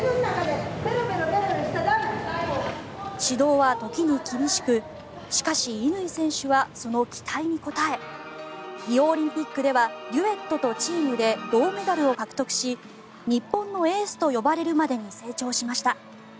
指導は時に厳しくしかし、乾選手はその期待に応えリオオリンピックではデュエットとチームで銅メダルを獲得し日本のエースと呼ばれるまでに成長しました。